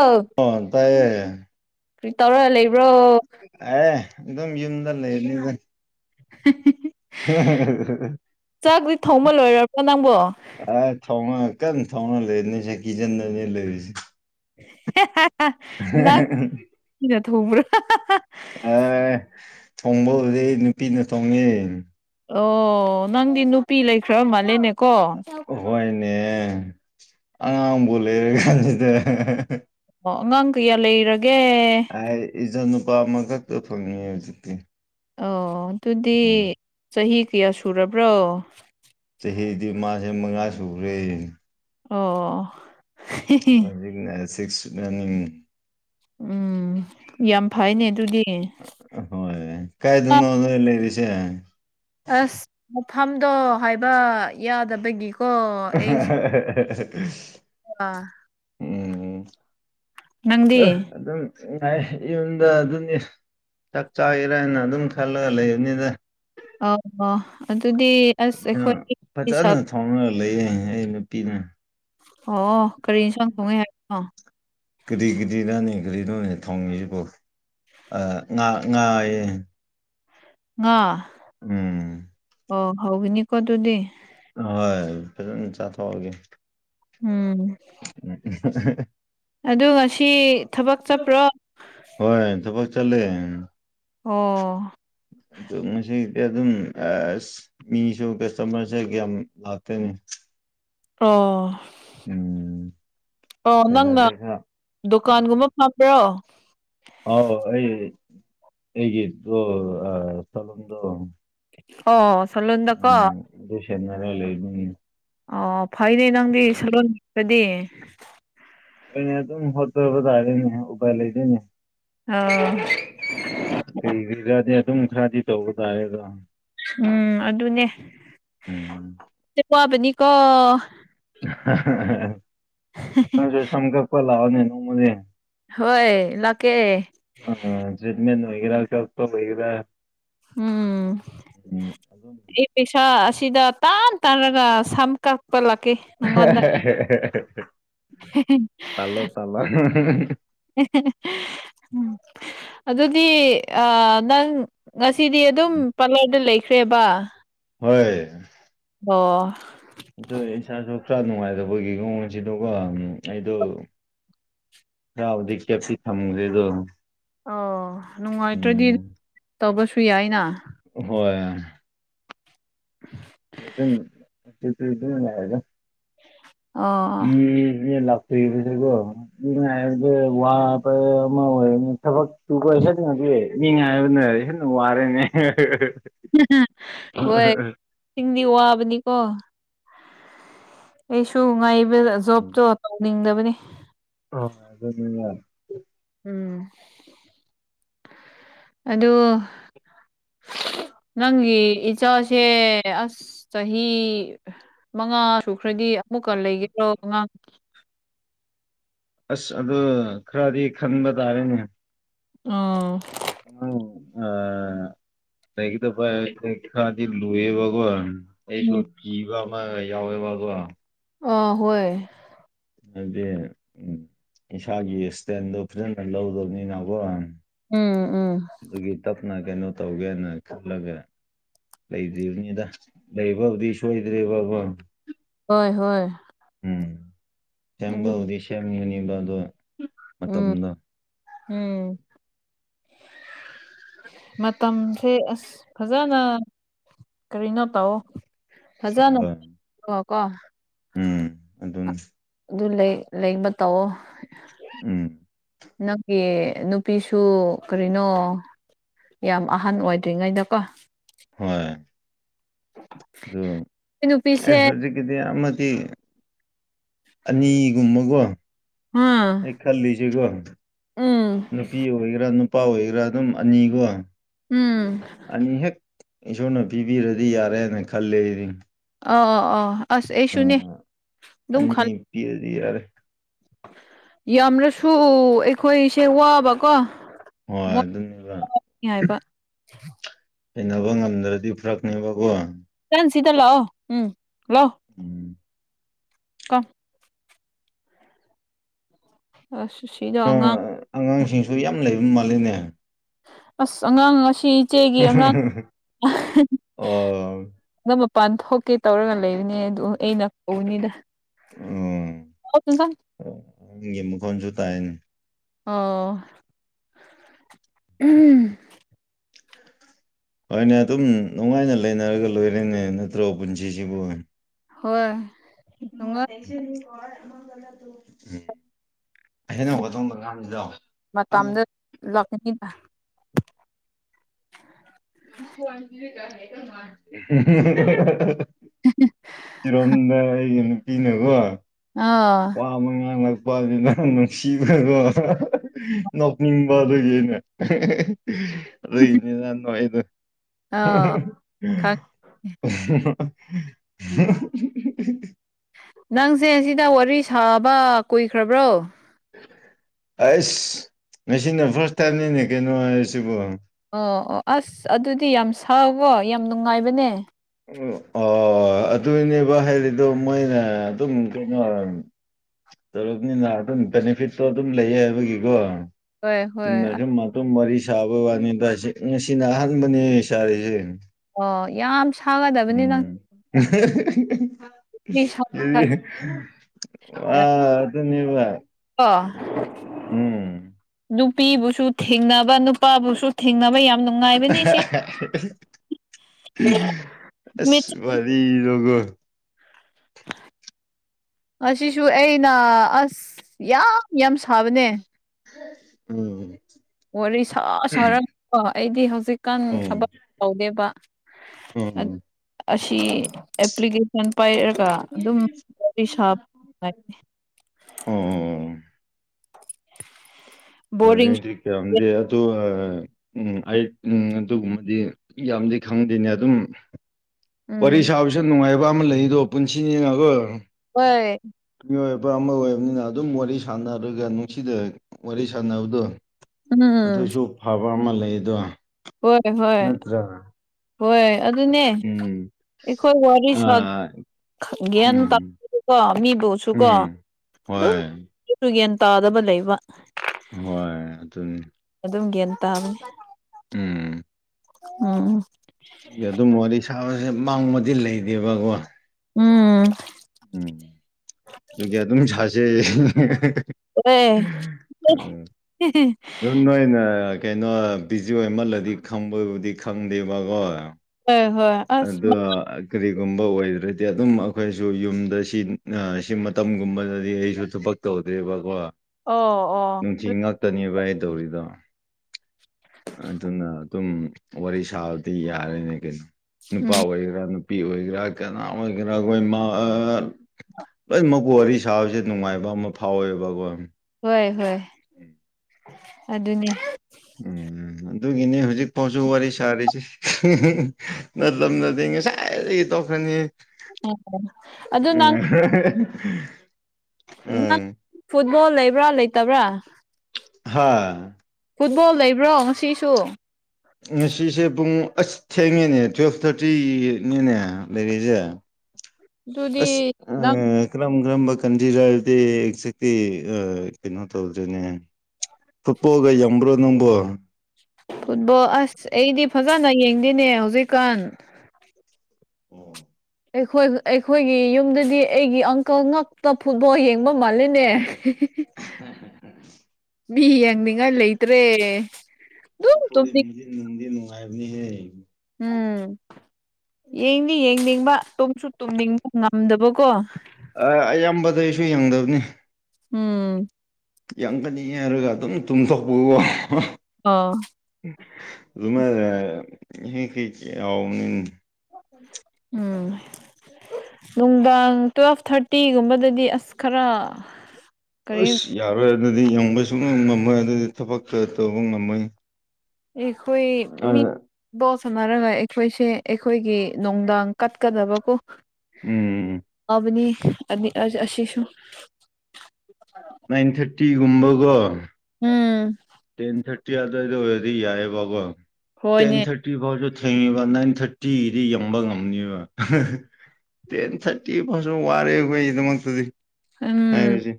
ꯑꯥ ꯇꯌꯦ ꯀ ꯇꯧꯔꯒ ꯂꯩꯕ꯭ꯔꯣ ꯑꯦ ꯑꯗꯨꯝ ꯌꯨꯝꯗ ꯂꯩꯔꯅꯤ ꯑꯗꯨ [inaudible] ꯆꯥꯛꯇꯤ ꯊꯣꯡꯕ ꯂꯣꯏꯔꯕ꯭ꯔꯣ ꯅꯪꯕꯣ ꯑ ꯊꯃꯥꯁ ꯀꯟꯅ ꯊꯧꯅ ꯂꯩꯔꯤꯅꯤ ꯁꯦ ꯀꯤꯠꯆꯟꯗꯅꯦ ꯂꯩꯔꯤꯁꯦ ꯂ ꯊꯕ꯭ꯔ ꯊꯣꯡꯕ ꯍꯧꯔꯦ ꯅꯨꯄꯤꯅ ꯊꯣꯡꯉꯦ ꯑꯣ ꯅꯪꯗꯤ ꯅꯨꯄꯤ ꯂꯩꯈ꯭ꯔ ꯃꯥꯜꯂꯦꯅꯦꯀꯣ ꯑ ꯣꯂꯔꯦ ꯀꯥꯟꯗ ꯑꯣ ꯑꯉꯥꯡ ꯀꯌꯥ ꯂꯩꯔꯒꯦ ꯑꯩ ꯏꯆꯥ ꯅꯨꯄꯥ ꯑꯃꯈꯛꯇ ꯐꯪꯉ ꯍꯧꯖꯤꯛꯇꯤ ꯑꯣ ꯑꯗꯨꯗꯤ ꯎꯝ ꯆꯍꯤ ꯀꯌꯥ ꯁꯨꯔꯕ꯭ꯔꯣ ꯍꯗꯤ ꯃꯥꯁꯦ ꯃꯉꯥ ꯁꯨꯈ꯭ꯔꯦꯅꯤ ꯑꯣ ꯍꯧꯖꯤꯛꯅ ꯁꯤꯛꯁ ꯔꯅꯤꯡ ꯎꯝ ꯌꯥꯝ ꯐꯩꯅꯦ ꯑꯗꯨꯗꯤ ꯍꯣꯏ ꯀꯥꯏ ꯨꯅ ꯂꯩꯔꯤꯁ ꯑꯁ ꯃꯐꯝꯗꯣ ꯍꯥꯏꯕ ꯌꯥꯗꯕꯒꯤꯣ [inaudible] [unintelligible] ꯑ ꯎꯝ ꯅꯪꯗꯤ ꯥꯏ ꯌꯨꯝꯗ ꯑꯗꯨꯅꯤ ꯆꯥꯛ ꯆꯥꯒꯔꯅ ꯑꯗꯨꯝ ꯈꯜꯂꯒ ꯂꯩꯕꯅꯤꯗ ꯑꯣ ꯍ ꯑꯗꯨ ꯑ ꯐꯖꯅ ꯊꯥꯎꯅꯔ ꯂꯩꯔꯦ ꯑꯩ ꯅꯨꯄꯤꯅ ꯑꯣ ꯀꯔꯤ ꯏꯟꯁꯥꯡ ꯊꯣꯡꯉꯤꯦ ꯍꯥꯏꯅꯣ ꯑꯗꯨꯗꯩ ꯗꯤ ꯅꯅꯤ ꯑꯗꯨꯗꯤꯩ ꯅꯣꯅꯦ ꯊꯣꯡꯉꯤꯁꯤꯕꯨꯣ ꯑ ꯉ ꯉꯑꯦ ꯑ ꯎꯝ ꯑꯣ ꯍꯒꯅꯤ ꯀꯣ ꯑꯗꯨꯗꯤ ꯍꯣꯏ ꯐꯖ ꯆꯥꯊꯣꯛꯑꯒꯦ ꯎꯝ [unintelligible] ꯑ ꯉꯁꯤ ꯊꯕꯛ ꯆꯠꯄ꯭ꯔꯣ ꯆꯂꯦ ꯑꯣ ꯃꯁꯤꯁꯗꯤ ꯑꯗꯨꯝ ꯑ ꯃꯤꯁꯨꯣ ꯀꯁꯇꯔꯁ ꯌꯥꯝ ꯂꯥꯛ [unintelligible] ꯑꯣ ꯑꯣ ꯅꯪꯅ ꯄꯩꯁꯥꯁꯦ ꯈꯔ ꯎꯝ ꯗꯨꯀꯥꯟꯒꯨꯝꯕ ꯐꯪꯝꯕ꯭ꯔꯣ ꯑꯥꯎ ꯑꯩ ꯑꯩꯒꯤꯝꯗ ꯑꯣ ꯁꯂꯨꯗꯀꯣ ꯔꯦ ꯂꯩ ꯑꯣ ꯐꯩꯅꯦ ꯅꯪꯗꯤ ꯁꯣꯗꯤ ꯍꯣꯏꯅꯦ ꯑꯗꯨꯝ ꯍꯣꯠꯇꯕ ꯇꯥꯗꯣꯏꯅꯦ ꯎꯚꯥꯏ ꯂꯩꯗꯣꯏꯅꯦ ꯀꯔꯤ ꯑꯣ ꯀꯔꯤꯔꯗꯤ ꯑꯗꯨꯝ ꯈꯔꯗꯤ ꯇꯧꯕ ꯇꯥꯏꯌꯦꯗꯣ ꯎꯝ ꯑꯗꯨꯅꯦ ꯎꯝꯝ ꯀꯥ ꯅꯁꯨꯁꯒꯄ ꯂꯑꯣꯅꯦ ꯅꯅꯨꯡ ꯃꯅꯦꯦ ꯍꯣꯏ ꯂꯥꯛꯀꯦ ꯃꯩꯔ ꯆꯛꯇ ꯃꯩꯔ ꯎꯝ ꯑꯗꯨꯝ ꯑꯩ ꯄꯦꯁꯥ ꯁꯤꯗ ꯇꯥꯟ ꯇꯥꯔꯒ ꯁꯝꯀꯛ ꯇꯂꯣ ꯇꯂꯣ ꯑꯗꯨꯗꯤ ꯑ ꯅꯪ ꯉꯁꯤꯗꯤ ꯑꯗꯨꯝ ꯄꯥꯔꯂꯔꯗ ꯂꯩꯈ꯭ꯔꯦꯕ ꯍꯣꯏ ꯑꯣ ꯑꯗꯨ ꯏꯁꯥꯁꯨ ꯈꯔ ꯅꯨꯡꯉꯥꯏꯇꯕꯒꯤꯒꯑꯣꯁꯤ ꯑꯗꯨꯒ ꯑꯩꯗꯣ ꯍꯥꯎꯗꯦ ꯄꯤ ꯊꯃꯨꯗꯦꯗꯣ ꯑꯣ ꯅꯨꯡꯉꯥꯏꯇ꯭ꯔꯗꯤ ꯇꯧꯕꯁꯨ ꯌꯥꯏꯅ ꯍꯣꯏ ꯎ ꯂꯩꯒ ꯑꯣ ꯎꯝ ꯌꯦ ꯂꯥꯛ ꯁꯤꯁ ꯀꯣ ꯏ ꯋꯥꯔ ꯑꯣꯏ ꯊ ꯐ ꯇꯨ ꯀꯣꯏꯁ ꯉ ꯃꯤ ꯉ ꯍꯥꯏꯕꯅꯦ ꯍꯟꯅ ꯋꯥꯔꯦꯅꯦ ꯍꯣꯏꯁꯤꯡꯗꯤ ꯋꯥꯕꯅꯤꯀꯣ ꯑꯩꯁꯨ ꯉꯥꯏꯕ ꯖꯣꯕꯇꯣ ꯇꯧꯅꯤꯡꯗꯕꯅꯤ ꯑ ꯑꯗꯨ ꯎꯝ ꯑꯗꯨꯗꯣ [unintelligible] ꯅꯪꯒꯤ ꯏꯆꯥꯁꯦ ꯑꯁ ꯆꯍꯤ ꯃꯉꯥ ꯁꯨꯛ ꯈꯔꯗꯤ ꯑꯃꯨꯛꯀ ꯂꯩꯒꯦꯔꯣ ꯑꯉꯥꯡ ꯑꯁ ꯑꯗꯨ ꯈꯔꯗꯤ ꯈꯟꯕ ꯇꯥꯔꯦꯅꯦ ꯎ ꯑ ꯑ ꯑꯩꯒꯤꯗ ꯄꯥꯏ ꯈꯗꯤ ꯂꯨꯍꯦ ꯒꯣ ꯑꯩꯁꯨ ꯀꯤꯕ ꯑꯃ ꯌꯥꯎꯋꯦꯕꯕ ꯑ ꯍꯣꯏ ꯗꯤ ꯏꯁꯥꯒꯤ ꯏꯁꯇꯦꯟꯗꯣ ꯐꯖꯅ ꯂꯧꯗꯕꯅꯤꯅꯀꯣ ꯎꯝ ꯎꯝ ꯑꯗꯨꯒꯤ ꯇꯞꯅ ꯀꯩꯅꯣ ꯇꯧꯒꯦꯅ ꯈꯜꯂꯒ ꯂꯩꯗ꯭ꯔꯤꯕꯅꯤꯗ ꯂꯩꯕꯕꯨꯗꯤ ꯁꯣꯏꯗ꯭ꯔꯦꯕꯕ ꯍꯣꯏ ꯍꯣꯏ ꯁꯦꯝꯕ ꯑꯗꯨ ꯍꯧꯗꯤ ꯁꯦꯝꯒꯅꯤꯕꯗꯣ ꯎꯝ ꯃꯇꯝꯗ ꯎꯝ ꯃꯇꯝꯁꯦ ꯑꯁ ꯐꯖꯅ ꯀꯔꯤꯅꯣ ꯇꯧ ꯐꯖꯅ ꯍꯣꯏ ꯀꯣ ꯎꯝ ꯑꯗꯨꯅꯤ ꯑꯗꯨ ꯂꯩ ꯂꯩꯕ ꯇꯧꯑꯣ ꯎꯝ ꯅꯪꯒꯤ ꯅꯨꯄꯤꯁꯨ ꯀꯔꯤꯅꯣ ꯌꯥꯝ ꯑꯍꯟ ꯑꯣꯏꯗ꯭ꯔꯤꯉꯩꯗꯀꯣ ꯍꯣꯏ ꯑꯗꯨ ꯑꯦ ꯅꯨꯄꯤꯁꯦ ꯍꯧꯖꯤꯛꯀꯤꯗꯤ ꯑꯅꯤꯒꯨꯝꯕꯒꯣ ꯑꯝ ꯆꯀꯣ ꯅꯨꯄꯤ ꯑꯣꯏꯒꯦꯔꯥ ꯅꯨꯄꯥ ꯑꯣꯏꯒꯦꯔꯥ ꯑꯗꯨꯝ ꯑꯅꯤꯒꯣ ꯎꯝ ꯑꯅꯤ ꯍꯦꯛ ꯏꯁꯣꯔꯅ ꯄꯤꯕꯤꯔꯗꯤ ꯌꯥꯔꯦꯅ ꯈꯜꯂꯦ ꯑꯩꯗꯤ ꯑꯥ ꯑꯥ ꯑꯥ ꯑꯁ ꯑꯩꯁꯨꯅꯦ ꯑꯗꯨꯝ ꯈ ꯑꯅꯤ ꯄꯤꯔꯗꯤ ꯌꯥꯔꯦ ꯌꯥꯝꯅꯁꯨ ꯑꯩꯈꯣꯏꯁꯦ ꯋꯥꯕꯀꯣ ꯍꯣꯏ ꯃꯣꯏꯅꯤ ꯑꯗꯨꯅꯤꯕ ꯍꯥꯏꯕ ꯍꯕ ꯉꯝꯗ꯭ꯔꯗꯤ ꯐꯔꯛꯅꯦꯕꯀꯣ ꯅꯪ ꯁꯤꯗ ꯂ ꯎꯝ ꯂ ꯎꯝ ꯀ ꯑꯁ ꯁꯤꯗꯧꯉ ꯁꯤꯡꯁꯨ ꯌꯥꯝ ꯂꯩꯕ ꯃꯥꯜꯂꯤꯅꯦ ꯑꯁ ꯑꯉꯥꯡ ꯉꯁꯤ ꯏꯆꯦꯒꯤ ꯑꯣ ꯑꯉꯥꯡꯝꯕ ꯄꯥꯟ ꯊꯣꯛꯀꯦ ꯇꯧꯔꯒ ꯂꯩꯕꯅꯦ ꯑꯗꯨ ꯑꯩꯅ ꯀꯧꯅꯤꯗ ꯑꯣ ꯎꯝꯪꯒꯤ ꯃꯈꯣꯟꯁꯨ ꯇꯥꯏꯅ ꯑꯣ ꯍꯣꯏꯅꯦ ꯑꯗꯨꯝ ꯅꯨꯡꯉꯥꯏꯅ ꯂꯩꯅꯔꯒ ꯂꯣꯏꯔꯦꯅꯦ ꯅꯠꯇ꯭ꯔꯣ ꯄꯨꯟꯁꯤꯁꯤꯕꯨ ꯍꯣꯏ ꯎ ꯅꯨꯡꯉꯥꯏ ꯇꯦꯟꯁꯟ ꯀ ꯃꯪ ꯀꯗ ꯇꯨ ꯍꯩꯅꯧꯒꯗꯣꯡꯕ ꯉꯁꯤꯗꯣ ꯃꯇꯝꯗ ꯂꯥꯛꯀꯅꯤꯗ [inaudible] ꯇꯤꯔꯣꯝꯗꯥ ꯑꯩ ꯅꯨꯄꯤꯤꯅꯦꯀꯣ ꯑꯥ ꯋꯥ ꯅꯨꯄꯥꯅꯤꯅ ꯅꯨꯡꯁꯤꯕ ꯅꯣꯛꯅꯤꯡꯕꯗꯒꯤꯅꯦ ꯑꯗ ꯏꯅꯤꯅꯣꯏꯅ ꯑꯥ ꯈꯪ [inaudible] ꯎ ꯅꯪꯁꯦ ꯁꯤꯗ ꯋꯥꯔꯤ ꯁꯥꯕ ꯀꯨꯏꯈ꯭ꯔꯕ꯭ꯔꯣ ꯑꯁ ꯉꯁꯤꯅꯦ ꯐꯥꯔꯁ ꯇꯥꯏꯝꯅꯤꯅꯦ ꯀꯩꯅꯣ ꯍꯥꯏꯁꯤꯕꯨ ꯑꯣ ꯑꯣ ꯑꯁ ꯑꯗꯨꯗꯤ ꯌꯥꯝ ꯁꯥꯎꯕꯣ ꯌꯥꯝ ꯅꯨꯡꯉꯥꯏꯕꯅꯦ ꯎꯝ ꯑꯣ ꯍꯣꯏ ꯑꯗꯨꯅꯦꯕ ꯍꯥꯏꯔꯤꯗꯣ ꯃꯣꯏꯅ ꯑꯗꯨꯝ ꯀꯩꯅꯣ ꯇꯔꯨꯞꯅꯤꯅ ꯑꯗꯨꯝ ꯕꯦꯅꯤꯐꯤꯠꯇꯣ ꯑꯗꯨꯝ ꯂꯩꯌꯦ ꯍꯥꯏꯕꯒꯤꯀꯣ ꯍꯣꯏ ꯍꯣꯏ ꯑꯣ ꯑꯗꯨꯝ ꯋꯥꯔꯤ ꯁꯥ ꯁꯥꯕꯋꯥꯅꯤꯗ ꯉꯁꯤꯅ ꯑꯍꯥꯟꯕꯕꯅꯤ ꯁꯥꯔꯤꯁꯦ ꯑꯣ ꯎꯝ ꯑ ꯑꯗꯨꯅꯤꯕ ꯑ ꯎꯝ ꯅꯨꯄꯤꯕꯨꯁꯨ ꯊꯦꯡꯅꯕ ꯅꯨꯄꯥꯕꯨꯁꯨ ꯊꯦꯡꯅꯕ ꯌꯥꯝ ꯅꯨꯡꯉꯥꯏꯕꯅꯤ ꯁꯤ ꯅꯨꯃꯤꯠ ꯑꯁ ꯋꯥꯔꯤꯗꯣ ꯀꯣ [unintelligible] [unintelligible] ꯑꯁꯤꯁꯨ ꯑꯩꯅ ꯑꯁ ꯌꯥꯝ ꯌꯥꯝ ꯁꯥꯕꯅꯦ ꯎꯝ ꯋꯥꯔꯤ ꯁꯥ ꯁꯥꯔꯝꯕ ꯑꯩꯗꯤ ꯍꯧꯖꯤꯛꯀꯥꯟ ꯎꯝ ꯊꯕꯛ ꯇꯧꯗꯦꯕ ꯎꯝ ꯑꯁꯤ ꯑꯦꯄ꯭ꯂꯤꯀꯦꯁꯟ ꯄꯥꯏ ꯀ ꯑꯗꯨꯝ ꯋꯥꯔꯤ ꯁꯥꯕ ꯎꯝ ꯑ ꯕꯣꯔꯤꯡ ꯑꯦ [unintelligible] ꯑꯗꯨ ꯎꯝ ꯑꯩ ꯎꯝ ꯑꯗꯨꯒꯨꯝꯕꯗꯤ ꯌꯥꯝꯗꯤ ꯈꯪꯗꯦꯅꯦ ꯑꯗꯨꯝ ꯋꯥꯔꯤ ꯎꯝ ꯁꯥꯕꯁ ꯅꯨꯡꯉꯥꯏꯕ ꯑꯃ ꯂꯩꯗꯣ ꯄꯨꯟꯁꯤ ꯅꯤꯅꯀꯣ ꯍꯣꯏ ꯃꯤꯑꯣꯏꯕ ꯑꯃ ꯑꯣꯏꯕꯅꯤꯅ ꯑꯗꯨꯝ ꯋꯥꯔꯤ ꯁꯥꯟꯅꯔꯒ ꯅꯨꯡꯁꯤꯅ ꯋꯥꯔꯤ ꯁꯥꯟꯅꯕꯗꯣ ꯎꯝ ꯑꯗꯨꯁꯨ ꯐꯕ ꯑꯃ ꯂꯩꯗꯣ ꯍꯣꯏ ꯍꯣꯏ ꯅꯠꯇ꯭ꯔꯥ ꯍꯣꯏꯣꯏ ꯑꯗꯨꯅꯦ ꯎꯝ ꯑꯩꯈꯣꯏ ꯋꯥꯔꯤ ꯁꯥ ꯑꯥ ꯒ꯭ꯌꯥꯟ ꯇꯥ ꯎꯝ ꯃꯤꯕꯨꯁꯨ ꯀꯣ ꯎꯝ ꯑꯗꯨꯝ ꯍꯣꯏ ꯒꯌꯥꯟ ꯇꯥꯗꯕ ꯂꯩꯕ ꯍꯣꯏ ꯑꯗꯨꯅꯤ ꯑꯗꯨꯝ ꯒ꯭ꯌꯥꯟ ꯇꯥꯕꯅꯤ ꯎꯝ ꯎꯝ ꯑꯗꯨꯝ ꯋꯥꯔꯤ ꯁꯥꯕꯁꯦ ꯃꯥꯡꯕꯗꯤ ꯂꯩꯗꯦꯕꯀꯣ ꯎꯝ ꯎꯝ ꯑꯗꯨꯝ ꯁꯥꯁꯦ ꯑꯦ [unintelligible] ꯑꯗꯨ ꯅꯣꯏꯅꯦ ꯀꯩꯅꯣ ꯕꯤꯖꯤ ꯑꯣꯏꯃꯜꯂꯗꯤ ꯈꯪꯕꯕꯨꯗꯤ ꯈꯪꯗꯦꯕꯀꯣ ꯍꯣꯏ ꯍꯣꯏ ꯑꯁ ꯑꯗꯨꯗ ꯀꯔꯤ ꯒꯨꯝꯕ ꯑꯣꯏꯗ꯭ꯔꯗꯤ ꯑꯗꯨꯝ ꯑꯩꯈꯣꯏꯁꯨ ꯌꯨꯝꯗ ꯁꯤ ꯁꯤ ꯃꯇꯝꯒꯨꯝꯕꯗꯗꯤ ꯑꯩꯁꯨ ꯊꯕꯛ ꯇꯧ ꯗ꯭ꯔꯦꯕꯀꯣ ꯑꯣ ꯑꯣ ꯅꯨꯡꯊꯤ ꯑꯗꯨ ꯉꯥꯛꯇꯅꯦꯕ ꯑꯩ ꯇꯧꯔꯤꯗꯣ ꯑꯗꯨꯅ ꯑꯗꯨꯝ ꯋꯥꯔꯤ ꯁꯥꯕꯗꯤ ꯌꯥꯔꯅꯦ ꯀꯩꯅꯣ ꯎꯝ ꯅꯨꯄꯥ ꯑꯣꯏꯒꯦꯔꯥ ꯅꯨꯄꯤ ꯑꯣꯏꯒꯦꯔꯥ ꯀꯅꯥ ꯑꯣꯏꯒꯦꯔꯥ ꯑꯩꯈꯣꯏ ꯂꯣꯏꯃꯛ ꯋꯥꯔꯤ ꯁꯥꯕꯁꯦ ꯅꯨꯡꯉꯥꯏꯕ ꯑꯃ ꯐꯥꯎꯋꯦꯕꯀꯣ ꯍꯣꯏ ꯍꯣꯏ ꯎꯝ ꯑꯗꯨꯅꯦ ꯎꯝ ꯑꯗꯨꯒꯤꯅꯤ ꯍꯧꯖꯤꯛꯐꯥꯎꯁꯨ ꯋꯥꯔꯤ ꯁꯥꯔꯤꯁꯦ ꯅꯠꯂꯝꯗꯔꯗꯤ ꯉꯁꯥꯏꯗꯒꯤ ꯇꯣꯛꯈꯔꯅꯤ ꯑꯗꯨ ꯅꯪ ꯐꯨꯠꯕꯣꯜ ꯂꯩꯕ꯭ꯔꯥ ꯂꯩꯇꯕ꯭ꯔꯥ ꯍꯥꯥ ꯐꯨꯠꯕꯣꯜ ꯂꯩꯕ꯭ꯔꯣ ꯉꯁꯤꯁꯨ ꯉꯁꯤꯁꯦ ꯄꯨꯡ ꯑꯁ ꯊꯦꯡꯉꯦꯅꯦ ꯇꯨꯋꯦꯜꯐ ꯊꯥꯔꯇꯤꯅꯤꯅꯦ ꯂꯩꯔꯤꯁꯦ ꯑꯁ ꯑꯗꯨꯗꯤ ꯅꯪ ꯀꯂꯝꯝ ꯀꯔꯝꯕ ꯀꯟꯖꯤꯔ ꯍꯥꯏꯗꯤ ꯑꯦꯛꯖꯦꯛꯇꯤ ꯀꯩꯅꯣ ꯇꯧꯗ꯭ꯔꯦꯅꯦ ꯐꯠꯄꯣꯒ ꯌꯝꯕ꯭ꯔꯣ ꯅꯣꯡꯕꯣ ꯐꯨꯠꯕꯣꯜ ꯑꯁ ꯑꯩꯗꯤ ꯐꯖꯅ ꯌꯦꯡꯗꯅꯦ ꯍꯧꯖꯤꯛꯀꯥꯟ ꯎꯝ ꯑꯩꯈꯣꯏ ꯑꯩꯈꯣꯏꯒꯤ ꯌꯨꯝꯗꯗꯤ ꯑꯩꯒꯤ ꯑꯪꯀꯜ ꯉꯛꯇ ꯐꯨꯠꯕꯣꯜ ꯌꯦꯡꯕ ꯃꯥꯜꯂꯤꯅꯦ [unintelligible] ꯃꯤ ꯌꯦꯡꯅꯤꯡꯉꯥꯏ ꯂꯩꯇ꯭ꯔꯦ ꯑꯗꯨꯝ ꯊꯣꯛꯣꯔꯦ ꯇꯨꯝꯅꯤꯡ ꯅꯗꯅꯨꯡꯉꯥꯏꯃꯤ ꯍ ꯎꯝ ꯌꯦꯡꯅꯤ ꯌꯦꯡꯅꯤꯡꯕ ꯇꯨꯝꯁꯨ ꯇꯨꯝꯅꯤꯡꯕ ꯉꯝꯗꯕꯀꯣ ꯑ ꯑꯌꯥꯝꯕꯗ ꯑꯩꯁꯨ ꯌꯦꯡꯗꯕꯅꯤ ꯎꯝ ꯌꯥꯝ ꯀꯅꯤꯉ ꯍꯥꯏꯔꯒ ꯑꯗꯨꯝ ꯇꯨꯝꯊꯣꯛꯄ ꯋꯥ ꯑꯥ ꯑꯗꯨꯃ ꯍ ꯍꯅꯤ ꯎꯝ ꯅꯨꯡꯗꯥꯡ ꯇꯨꯋꯦꯜꯐ ꯊꯥꯔꯇꯤꯒꯨꯝꯕꯗꯗꯤ ꯑꯁ ꯈꯔ ꯀꯔꯤ ꯑꯁ ꯌꯥꯔꯣꯏ ꯑꯗꯨꯗꯤ ꯌꯦꯡꯕ ꯁꯨꯡ ꯉꯝꯃꯣꯏ ꯑꯗꯨꯗꯤ ꯊꯕꯛꯇ ꯇꯧꯕ ꯉꯝꯃꯣꯏ ꯑꯩꯣꯏ ꯃꯤꯣ ꯁꯝꯅꯔꯒ ꯑꯩꯈꯣꯏꯁꯦ ꯑꯩꯈꯣꯏꯒꯤ ꯅꯨꯡꯗꯥꯡ ꯀꯠꯀꯗꯕꯀꯣ ꯎꯝ ꯑꯕꯅꯤ ꯑꯅꯤ ꯑ ꯑꯁꯤꯁꯨ ꯅꯥꯏꯟ ꯊꯥꯔꯇꯤꯒꯨꯝꯕꯒꯣ ꯎꯝ ꯇꯦꯦꯟ ꯊꯔꯇꯤ ꯑꯗꯗ ꯑꯣꯏꯗꯤꯏꯕ ꯇꯦꯦꯟ ꯍꯣꯏꯅꯦ ꯊꯔꯇꯤꯥꯎꯁꯨ ꯊꯦꯡꯉꯤꯕ ꯅꯥꯏꯟ ꯊꯥꯔꯇꯤꯗꯤ ꯌ ꯉꯝꯅꯤꯕ ꯇꯦꯟ ꯊꯥꯔꯇꯤ ꯑꯁꯨ ꯋꯥꯔꯦ ꯑꯩꯈꯣꯏꯒꯤꯗꯃꯛꯇꯗꯤ ꯎꯝ ꯍꯥꯏꯔꯁꯦ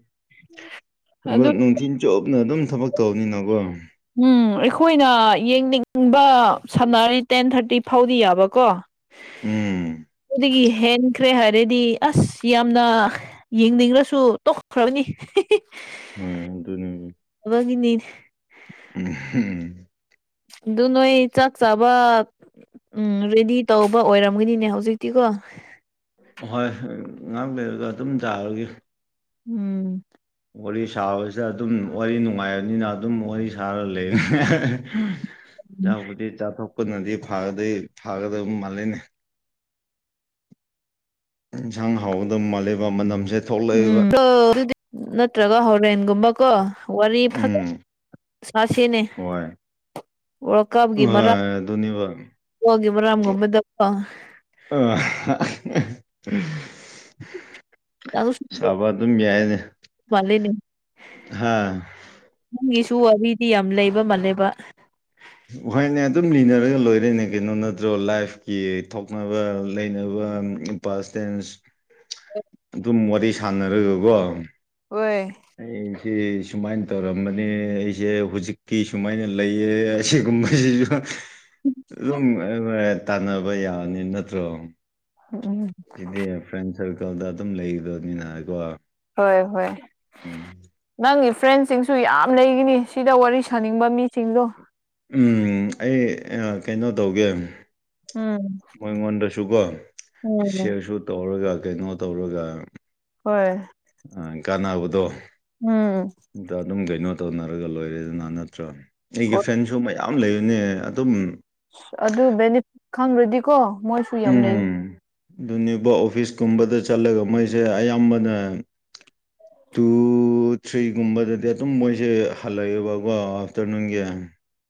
ꯊ ꯑꯗꯨ ꯅꯨꯡꯊꯤꯤꯟ ꯆꯣꯞꯅ ꯑꯗꯨꯝ ꯊꯕꯛ ꯇꯧꯕꯅꯤꯅꯀꯣ ꯎꯝ ꯑꯩꯈꯣꯏꯅ ꯌꯦꯡꯅꯤꯡꯕ ꯁꯝꯅꯔꯅꯤ ꯇꯦꯟ ꯊꯥꯔꯇꯤ ꯐꯥꯎꯗꯤ ꯌꯥꯕꯀꯣ ꯎꯝ ꯑꯩꯗꯒꯤ ꯍꯦꯟꯈ꯭ꯔꯦ ꯍꯥꯏꯔꯗꯤ ꯑꯁ ꯌꯥꯝꯅ ꯌꯦꯡꯅꯤꯡꯉꯁꯨ ꯇꯣꯛꯈ꯭ꯔꯕꯅꯤ ꯍ ꯑꯗꯨ ꯑꯗꯨꯅꯤ ꯍꯅꯤꯅꯦ ꯎꯝꯝ ꯑꯗꯨ ꯅꯣꯏ ꯆꯥꯛ ꯆꯕ ꯎꯝ ꯔꯦꯗꯤ ꯇꯧꯕ ꯑꯣꯏꯔꯝꯒꯅꯤꯅꯦ ꯍꯧꯖꯤꯛꯇꯤꯀꯣ ꯍꯣꯏ ꯉꯍꯥꯛ ꯂꯩꯔꯒ ꯑꯗꯨꯝ ꯆꯔꯒꯦ ꯎꯝ ꯋꯥꯔꯤ ꯁꯥꯕꯁꯤꯗ ꯑꯗꯨꯝ ꯋꯥꯔꯤ ꯅꯨꯡꯉꯥꯏꯕꯅꯤꯅ ꯑꯗꯨꯝ ꯋꯥꯔꯤ ꯁꯥꯔ ꯂꯩ ꯌꯥꯕꯗꯤ ꯆꯥꯊꯣꯛꯄꯅꯗꯤ ꯐꯥꯒꯗꯣꯏ ꯐꯥꯒꯗꯣꯏ ꯃꯥꯜꯂꯤꯅꯦ ꯌꯦꯟꯁꯥꯡ ꯍꯥꯎꯒꯗ ꯃꯥꯜꯂꯕ ꯃꯅꯝꯁꯦ ꯊꯣꯛꯂꯛꯑꯦꯕ ꯎꯝ ꯑꯗꯨ ꯅꯠꯇ꯭ꯔꯒ ꯍꯣꯔꯦꯟꯒꯨꯝꯕꯀꯣ ꯋꯥꯔꯤ ꯐꯖ ꯎꯝ ꯍꯥ ꯁꯤꯅꯦ ꯍꯣꯏ ꯋꯥꯀꯥꯞꯒꯤ ꯍꯣꯏ ꯑꯗꯨꯅꯦꯕ ꯃꯔꯒꯤ ꯃꯔꯥꯝꯒꯨꯝꯕꯗꯀꯣ ꯑ [unintelligible] ꯌꯥ ꯁꯥꯕ ꯑꯗꯨꯝ ꯌꯥꯏꯅꯦ ꯋꯥꯦꯅꯦ ꯍꯥ ꯃꯤꯁꯨ ꯋꯥꯔꯤꯗꯤ ꯌꯥꯝ ꯂꯩꯕ ꯃꯥꯜꯂꯦꯕ ꯍꯣꯏꯅꯦ ꯑꯗꯨꯝ ꯂꯤꯅꯔꯒ ꯂꯣꯏꯔꯦꯅꯦ ꯀꯩꯅꯣ ꯅꯠꯇ꯭ꯔꯣ ꯂꯥꯏꯐꯀꯤ ꯊꯣꯛꯅꯕ ꯂꯩꯅꯕ ꯄꯁ ꯇꯦꯟ ꯑꯗꯨꯝ ꯋꯥꯔꯤ ꯁꯥꯟꯅꯔꯒꯀꯣ ꯑꯣꯏꯣꯏ ꯑꯩꯁꯦ ꯁꯨꯃꯥꯏꯅ ꯇꯧꯔꯝꯕꯅꯤ ꯑꯩꯁꯦ ꯍꯧꯖꯤꯛꯀꯤ ꯁꯨꯃꯥꯏꯅ ꯂꯩꯌꯦ ꯑꯁꯤꯒꯨꯝꯕꯁꯤꯁꯨ ꯑꯗꯨꯝ ꯇꯥꯟꯅꯕ ꯌꯥꯅꯤ ꯅꯠꯇ꯭ꯔꯣ ꯎꯝ ꯁꯤꯗꯤ ꯐ꯭ꯔꯦꯟ ꯁꯔꯀꯜꯗ ꯑꯗꯨꯝ ꯂꯩꯗꯕꯅꯤꯅꯀꯣ ꯍꯣꯏ ꯍꯣꯏ ꯅꯪ ꯐ꯭ꯔꯦꯟꯁꯤꯡꯁꯨ ꯌꯥꯝ ꯂꯩꯈꯤꯅꯤ ꯁꯤꯗ ꯋꯥꯔꯤ ꯁꯥꯅꯤꯡꯕ ꯃꯤꯁꯤꯡꯗꯣ ꯑꯩ ꯀꯩꯅꯣ ꯇꯧꯒꯦ ꯎꯝ ꯃꯣꯏꯉꯣꯟꯗꯁꯨꯀꯣ ꯎꯝ ꯁꯤꯌꯔꯁꯨ ꯇꯧꯔꯒ ꯀꯩꯅꯣ ꯇꯧꯔꯒ ꯍꯣꯏ ꯑ ꯀꯥꯟꯅꯕꯗꯣ ꯎꯝ ꯏꯇ ꯑꯗꯨꯝ ꯀꯩꯅꯣ ꯇꯧꯅꯔꯒ ꯂꯣꯏꯔꯦꯗꯅ ꯅꯠꯇ꯭ꯔ ꯑꯩꯒꯤ ꯍꯣꯏ ꯐ꯭ꯔꯦꯟꯁꯨ ꯃꯌꯥꯝ ꯂꯩꯕꯅꯦ ꯑꯗꯨꯝ ꯑ ꯑꯗꯨ ꯕꯦꯅꯤꯐꯤꯠ ꯈꯪꯈ꯭ꯔꯗꯤꯀꯣ ꯃꯣꯏꯁꯨ ꯌꯥꯝ ꯂꯩ ꯎꯝ ꯑꯗꯨꯅꯦꯕ ꯑꯣꯐꯤꯁꯀꯨꯝꯕꯗ ꯆꯠꯂꯒ ꯃꯣꯏꯁꯦ ꯑꯌꯥꯝꯕꯅ ꯇꯨ ꯊ꯭ꯔꯤꯒꯨꯝꯕꯗꯗꯤ ꯑꯗꯨꯝ ꯃꯣꯏꯁꯦ ꯍꯜꯂꯛꯑꯦꯕꯀꯣ ꯑꯥꯐꯇꯔꯅꯨꯟꯒꯤ